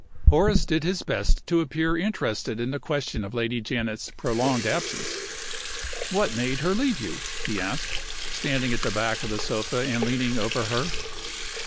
Horace did his best to appear interested in the question of Lady Janet's prolonged absence. "What made her leave you?" he asked, standing at the back of the sofa and leaning over her.